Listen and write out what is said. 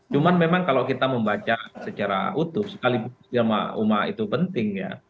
cuma memang kalau kita membaca secara utuh sekaligus ilmu umat itu penting